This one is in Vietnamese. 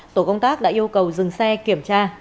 tổ công tác đã yêu cầu dừng xe kiểm tra